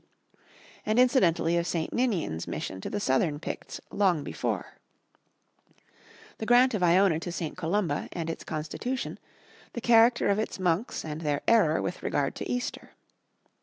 D., and incidentally of St. Ninian's mission to the Southern Picts "long before"; the grant of Iona to St. Columba, and its constitution, the character of its monks and their error with regard to Easter.